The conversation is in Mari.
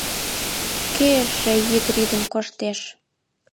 — Кӧ эше йӱд рӱдын коштеш?